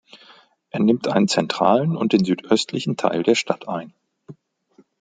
Er nimmt einen zentralen und den südöstlichen Teil der Stadt ein.